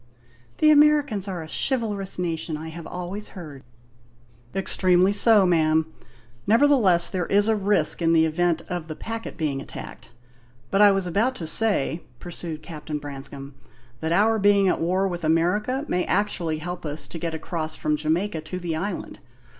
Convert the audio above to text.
"The Americans are a chivalrous nation, I have always heard." "Extremely so, ma'am; nevertheless, there is a risk, in the event of the packet being attacked. But I was about to say," pursued Captain Branscome, "that our being at war with America may actually help us to get across from Jamaica to the island.